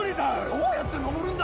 「どうやって登るんだよ」